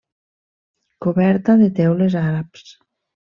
Coberta de teules àrabs.